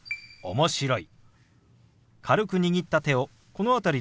「面白い」。